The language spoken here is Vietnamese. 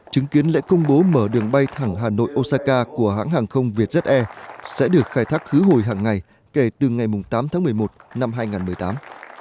chứng kiến lễ công bố mở đường bay thẳng hà nội osaka của hãng hàng không vietjet air sẽ được khai thác khứ hồi hàng ngày kể từ ngày tám tháng một mươi một năm hai nghìn một mươi tám